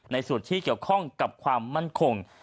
ส่วนที่เกี่ยวข้องกับความมั่นคง